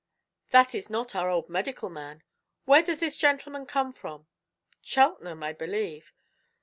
"That is not our old medical man. Where does this gentleman come from?" "Cheltenham, I believe."